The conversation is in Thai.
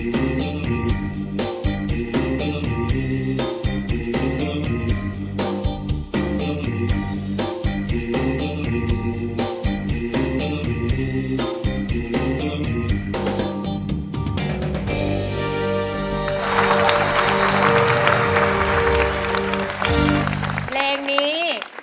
เสียงนี้